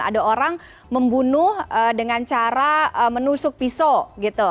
ada orang membunuh dengan cara menusuk pisau gitu